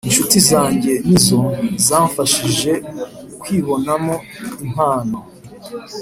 Inshuti zange ni zo zamfashije kwibonamo impano